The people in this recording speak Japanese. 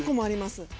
あります。